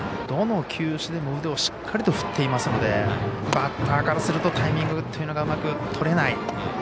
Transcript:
どの球種でも腕をしっかりと振っていますのでバッターからするとタイミングというのがうまくとれない。